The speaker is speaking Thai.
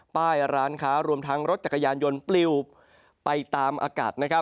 ป้ายร้านค้ารวมทั้งรถจักรยานยนต์ปลิวไปตามอากาศ